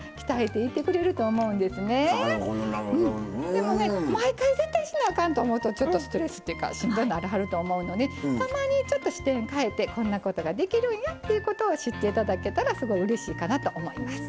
でもね毎回絶対しなあかんと思うとちょっとストレスっていうかしんどならはると思うのでたまにちょっと視点変えてこんなことができるんやっていうことを知って頂けたらすごいうれしいかなと思います。